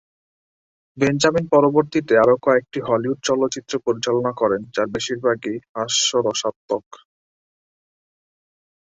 Benjamin পরবর্তীতে আরও কয়েকটি হলিউড চলচ্চিত্র পরিচালনা করেন, যার বেশিরভাগই হাস্যরসাত্মক।